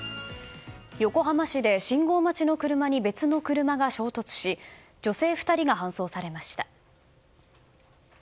横浜市で信号待ちの車に別の車が衝突し女性２人が搬送されました。